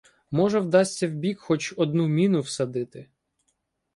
Може, вдасться в бік хоч одну міну всадити.